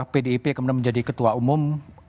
pdip kemudian menjadi ketua umum